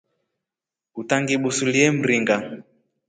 Utangibusulie mringa.